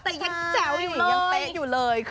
แต่ยังแจ๋วอยู่ยังเป๊ะอยู่เลย